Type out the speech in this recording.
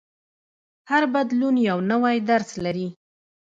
هر بدلون یو نوی درس لري.